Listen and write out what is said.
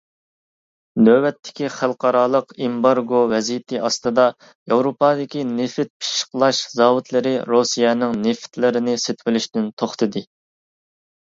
نۆۋەتتىكى خەلقئارالىق ئېمبارگو ۋەزىيىتى ئاستىدا، ياۋروپادىكى نېفىت پىششىقلاش زاۋۇتلىرى رۇسىيەنىڭ نېفىتلىرىنى سېتىۋېلىشتىن توختىدى.